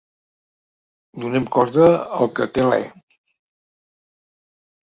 Donem corda al que-te-l'è!